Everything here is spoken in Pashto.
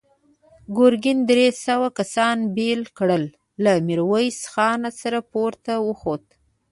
ګرګين درې سوه کسان بېل کړل، له ميرويس خان سره پورته وخوت.